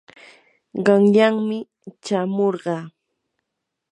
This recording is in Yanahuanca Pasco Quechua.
qanyanmi chamurqaa.